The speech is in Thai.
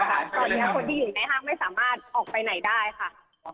ตอนนี้คนที่อยู่ในห้างไม่สามารถออกไปไหนได้ค่ะ